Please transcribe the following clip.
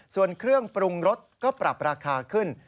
ส่วนเครื่องปรุงรสก็ปรับราคาขึ้น